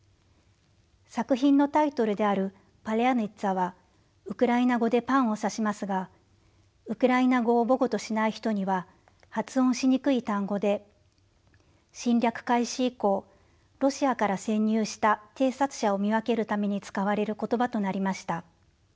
作品のタイトルである「パリャヌィツャ」はウクライナ語でパンを指しますがウクライナ語を母語としない人には発音しにくい単語で侵略開始以降ロシアから潜入した偵察者を見分けるために使われる言葉となりました。